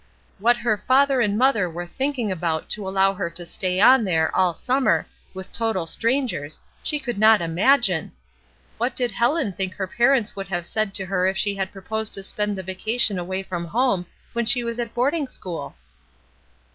What her father and mother were thinking about to allow her to stay on there, all summer, with total strangers, she could not imagine! What did Helen think her parents would have said to her if she had proposed to spend the vacation away from home, when she was at boarding school?"